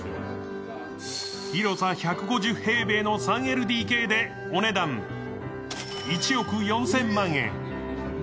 広さ１５０平米の３ＬＤＫでお値段１億４０００万円。